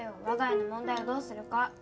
我が家の問題をどうするか。